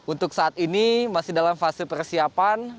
untuk saat ini masih dalam fase persiapan